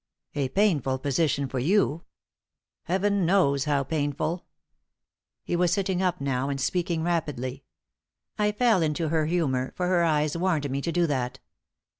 "A painful position for you." "Heaven knows how painful!" He was sitting up now, and speaking rapidly. "I fell into her humour, for her eyes warned me to do that.